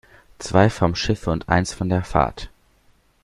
Zwei vom Schiff und eines von der Fahrt.